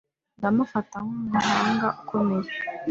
Ndamufata nkumuhanga ukomeye.